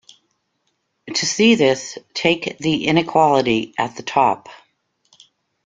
To see this, take the inequality at the top.